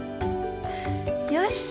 よし！